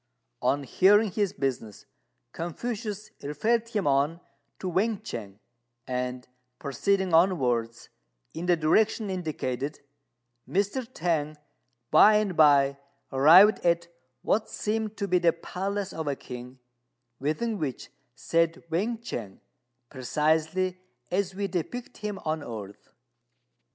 On hearing his business, Confucius referred him on to Wên ch'ang; and, proceeding onwards in the direction indicated, Mr. T'ang by and by arrived at what seemed to be the palace of a king, within which sat Wên ch'ang, precisely as we depict him on earth.